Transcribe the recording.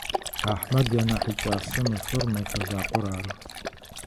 Ахьмэд янахь икӏасэрэ мэфэр мэфэзакъор ары.